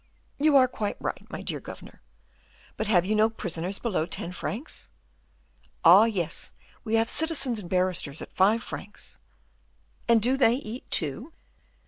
"You are quite right, my dear governor; but have you no prisoners below ten francs?" "Oh, yes! we have citizens and barristers at five francs." "And do they eat, too?"